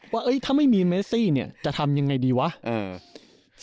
ว่าเอ๊ยถ้าไม่มีเมซิเนี่ยจะทำยังไงดีวะเออ